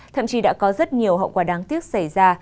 thậm chí đã có rất nhiều hậu quả đáng tiếc xảy ra